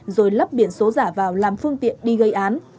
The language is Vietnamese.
rồi lắp biển số giả vào làm phương tiện đi gây án